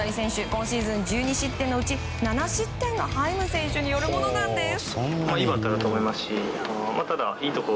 今シーズン１２失点のうち７失点がハイム選手によるものなんです。